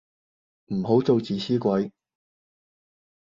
唔好做自私鬼